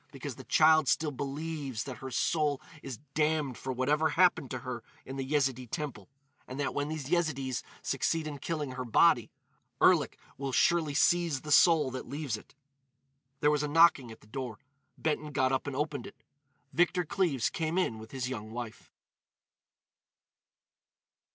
Because the child still believes that her soul is damned for whatever happened to her in the Yezidee temple; and that when these Yezidees succeed in killing her body, Erlik will surely seize the soul that leaves it." There was a knocking at the door. Benton got up and opened it. Victor Cleves came in with his young wife.